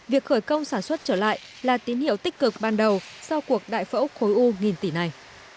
việc khởi công sản xuất trở lại là tín hiệu tích cực ban đầu sau cuộc đại phẫu khối u nghìn tỷ này